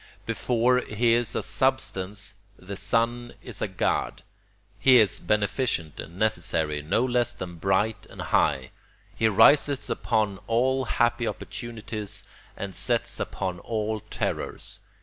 Before he is a substance the sun is a god. He is beneficent and necessary no less than bright and high; he rises upon all happy opportunities and sets upon all terrors.